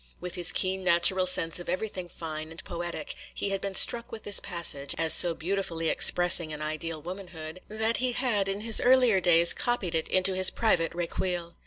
With his keen natural sense of everything fine and poetic, he had been struck with this passage, as so beautifully expressing an ideal womanhood, that he had in his earlier days copied it in his private recueil.